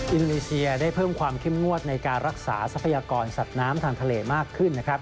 อินโดนีเซียได้เพิ่มความเข้มงวดในการรักษาทรัพยากรสัตว์น้ำทางทะเลมากขึ้นนะครับ